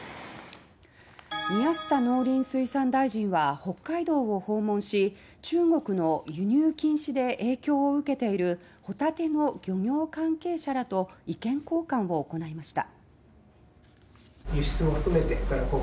宮下農林水産大臣は北海道を訪問し中国の輸入禁止で影響を受けているホタテの漁業関係者らと意見交換を行いました。